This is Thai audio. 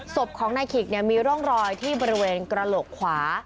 ศพของนายขิกมีร่องรอยที่บริเวณกระโหลกขวา